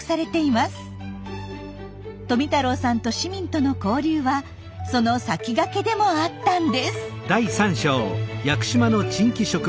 富太郎さんと市民との交流はその先駆けでもあったんです。